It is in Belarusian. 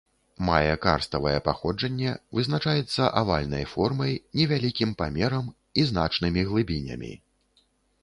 Мае карставае паходжанне, вызначаецца авальнай формай, невялікім памерам і значнымі глыбінямі.